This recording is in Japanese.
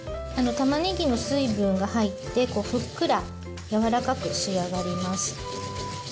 たまねぎの水分が入ってふっくらやわらかく仕上がります。